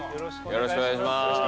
よろしくお願いします。